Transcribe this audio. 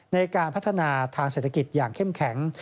ในการพัฒนาทางเศรษฐกิจอย่างเข้มแข็ง